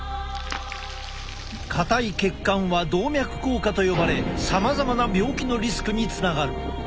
硬い血管は動脈硬化と呼ばれさまざまな病気のリスクにつながる。